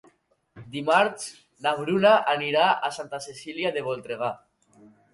Dimarts na Bruna anirà a Santa Cecília de Voltregà.